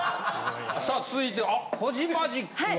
さあ続いてあっコジマジックは。